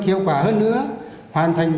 hiệu quả hơn nữa hoàn thành